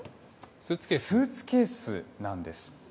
スーツケースなんです。